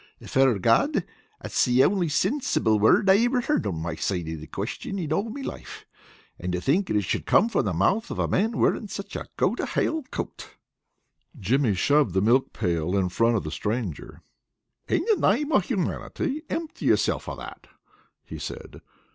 "'Fore God, that's the only sensible word I ever heard on my side of the quistion in all me life. And to think that it should come from the mouth of a man wearing such a Go to Hell coat!" Jimmy shoved the milk pail in front of the stranger. "In the name of humanity, impty yourself of that," he said.